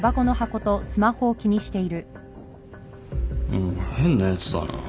うん変なやつだな。